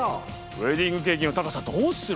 ウエディングケーキの高さどうする？